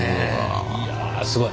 いやすごい！